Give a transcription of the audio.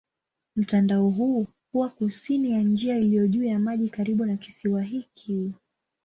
Mtandao huu huwa kusini ya njia iliyo juu ya maji karibu na kisiwa hiki.